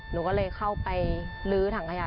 หนูก็เลยเข้าไปลื้อถังขยะ